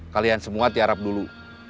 kalian semua tiarap dulu